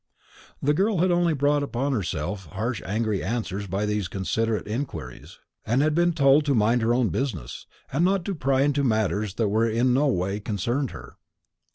The girl had only brought upon herself harsh angry answers by these considerate inquiries, and had been told to mind her own business, and not pry into matters that in no way concerned her.